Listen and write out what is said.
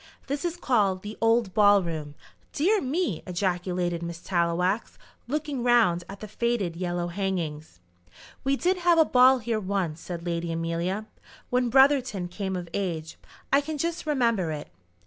This is called the old ball room." "Dear me!" ejaculated Miss Tallowax, looking round at the faded yellow hangings. "We did have a ball here once," said Lady Amelia, "when Brotherton came of age. I can just remember it."